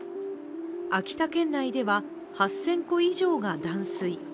秋田県内では８０００戸以上が断水。